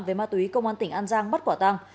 về ma túy công an tỉnh an giang bắt quả tăng